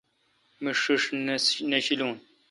مہ ݭݭ نہ شیلوں۔